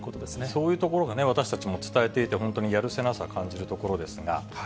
そういうところが私たちも伝えていて、本当にやるせなさを感じるところですが。